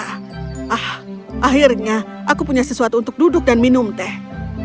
ah akhirnya aku punya sesuatu untuk duduk dan minum teh